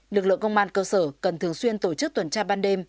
lực lượng công an cơ sở cần thường xuyên tổ chức tuần tra ban đêm